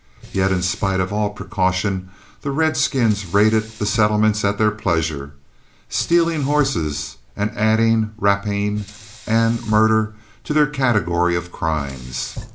Yet in spite of all precaution, the redskins raided the settlements at their pleasure, stealing horses and adding rapine and murder to their category of crimes.